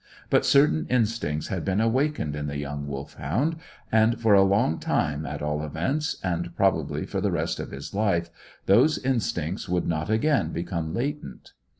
But certain instincts had been awakened in the young Wolfhound, and, for a long time, at all events, and probably for the rest of his life, those instincts would not again become latent.